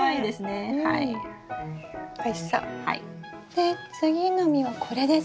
で次の実はこれですね？